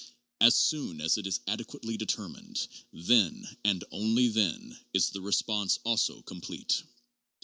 As soon as it is adequately determined, then and then only is the response also complete.